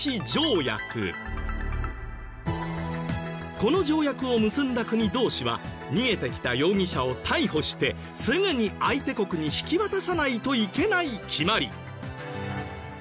この条約を結んだ国同士は逃げてきた容疑者を逮捕してすぐに相手国に引き渡さないといけない決まり。